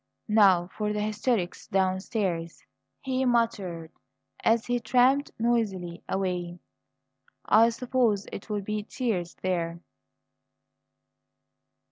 "Now for the hysterics downstairs," he muttered as he tramped noisily away. "I suppose it'll be tears there!"